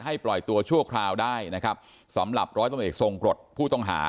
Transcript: ปล่อยตัวชั่วคราวได้นะครับสำหรับร้อยตำรวจเอกทรงกรดผู้ต้องหา